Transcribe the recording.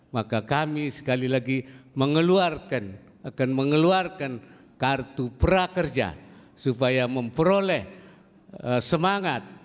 maka kami sekali lagi mengeluarkan akan mengeluarkan kartu prakerja supaya memperoleh semangat